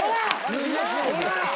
すごいね！